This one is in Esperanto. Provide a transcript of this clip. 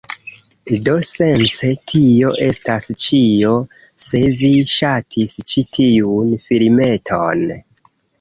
Do sence tio estas ĉio, se vi ŝatis ĉi tiun filmeton